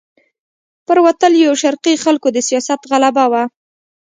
پر وتلیو شرقي خلکو د سیاست غلبه وه.